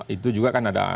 itu juga kan ada